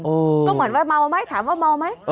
ก็เหมือนว่าเมาไหมถามว่าเมาไหม